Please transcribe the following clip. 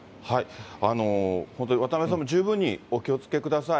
本当に、渡辺さんも十分にお気をつけください。